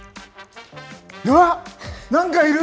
うわっ、なんかいる！